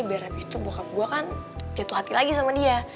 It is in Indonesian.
biar habis itu gue kan jatuh hati lagi sama dia